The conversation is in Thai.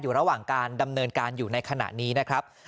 อยู่ระหว่างการดำเนินการอยู่ในขณะนี้นะครับ